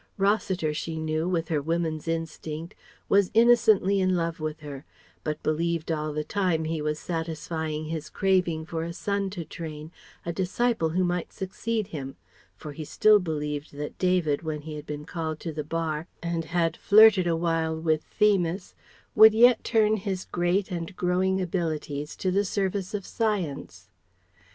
Rossiter, she knew, with her woman's instinct, was innocently in love with her, but believed all the time he was satisfying his craving for a son to train, a disciple who might succeed him: for he still believed that David when he had been called to the Bar and had flirted awhile with Themis, would yet turn his great and growing abilities to the service of Science.